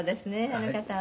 あの方は」